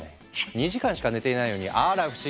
２時間しか寝てないのにあら不思議！